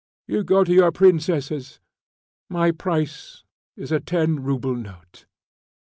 You go to your princesses; my price is a ten rouble note."